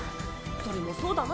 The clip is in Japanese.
それもそうだな。